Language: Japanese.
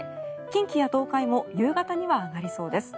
近畿や東海も夕方には上がりそうです。